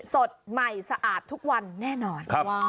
สดใหม่สะอาดทุกวันแน่นอน